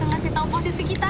bisa ngasih tau posisi kita